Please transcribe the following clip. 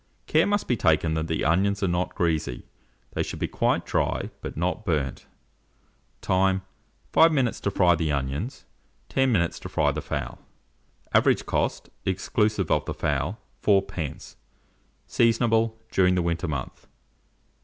Care must be taken that the onions are not greasy: they should be quite dry, but not burnt. Time. 5 minutes to fry the onions, 10 minutes to fry the fowl. Average cost, exclusive of the fowl, 4d. Seasonable during the winter month.